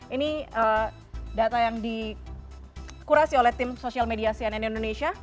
ini data yang dikurasi oleh tim sosial media cnn indonesia